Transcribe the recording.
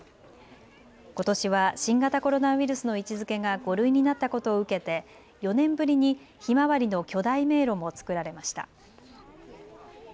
ことしは新型コロナウイルスの位置づけが５類になったことを受けて４年ぶりにひまわりの巨大迷路も作られました。